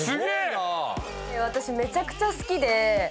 私めちゃくちゃ好きで。